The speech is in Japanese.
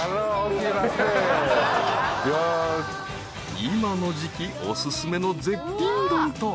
［今の時季お薦めの絶品丼とは］